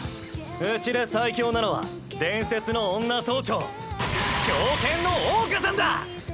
うちで最強なのは伝説の女総長狂犬の桜花さんだ！